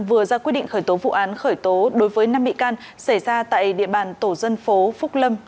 vừa ra quyết định khởi tố vụ án khởi tố đối với năm bị can xảy ra tại địa bàn tổ dân phố phúc lâm